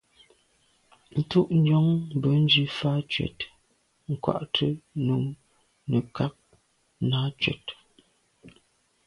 Ntù njon bènzwi fa tshwèt nkwate num nekag nà tshwèt.